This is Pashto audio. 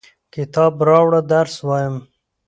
کتاب راوړه ، درس وایم!